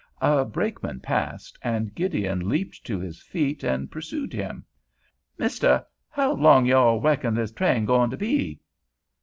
A brakeman passed, and Gideon leaped to his feet and pursued him. "Misteh, how long yo' all reckon this train goin' to be?"